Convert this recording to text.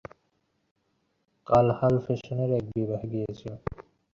তারই অংশ হিসেবে দুই স্টক এক্সচেঞ্জ পরিণত হবে পাবলিক লিমিটেড কোম্পানিতে।